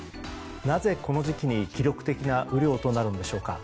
なぜ、この時期に記録的な雨量となるのでしょうか。